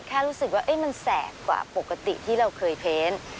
แค่รู้สึกว่ามันแสบกว่าปกติที่เราเคยเพ้น